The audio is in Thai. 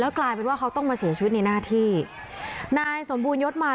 กลายเป็นว่าเขาต้องมาเสียชีวิตในหน้าที่นายสมบูรณยศมา